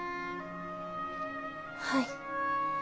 はい。